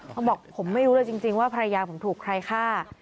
เขาบอกผมไม่รู้เลยจริงว่าภรรยาผมถูกใครฆ่า